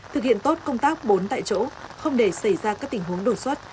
thực hiện tốt công tác bốn tại chỗ không để xảy ra các tình huống đột xuất